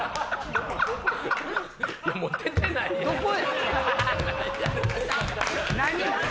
もう出てないやん。